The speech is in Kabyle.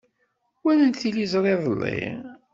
Walant tiliẓri iḍelli.